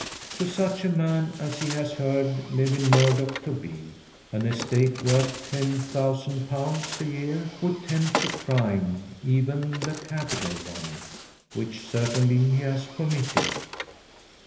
To such a man as he has heard Lewin Murdock to be, an estate worth 10,000 pounds a year would tempt to crime, even the capital one, which certainly he has committed.